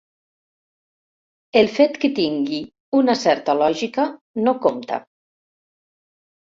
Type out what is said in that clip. El fet que tingui una certa lògica no compta.